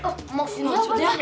oh maksudnya apa nih